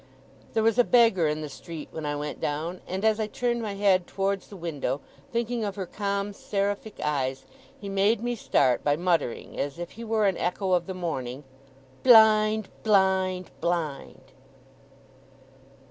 There was a beggar in the street, when I went down; and as I turned my head towards the window, thinking of her calm seraphic eyes, he made me start by muttering, as if he were an echo of the morning: 'Blind! Blind! Blind!